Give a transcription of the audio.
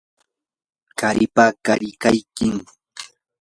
qaripa qarikaynin